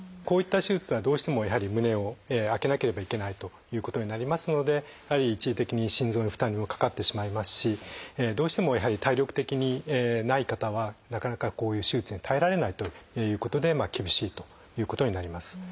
こういった手術はどうしてもやはり胸を開けなければいけないということになりますのでやはり一時的に心臓に負担もかかってしまいますしどうしてもやはり体力的にない方はなかなかこういう手術に耐えられないということで厳しいということになります。